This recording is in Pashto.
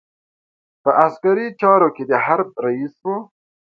په عسکري چارو کې د حرب رئیس وو.